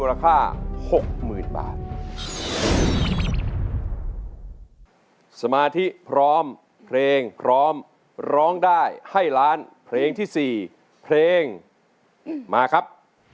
หกหมื่นบาทสมาธิพร้อมเพลงพร้อมร้องได้ให้ล้านเพลงที่๔เพลงมาครับ